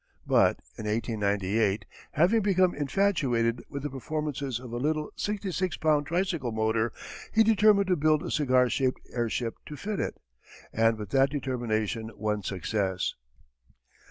But in 1898 having become infatuated with the performances of a little sixty six pound tricycle motor he determined to build a cigar shaped airship to fit it, and with that determination won success.